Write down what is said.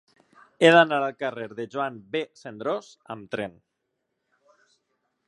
He d'anar al carrer de Joan B. Cendrós amb tren.